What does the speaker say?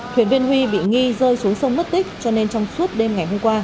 thuyền viên huy bị nghi rơi xuống sông mất tích cho nên trong suốt đêm ngày hôm qua